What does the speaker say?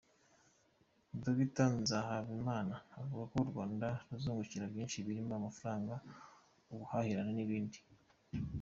Dr Nzahabwanimana avuga ko u Rwanda ruzungukira byinshi birimo amafaranga, ubuhahirane n’ibindi.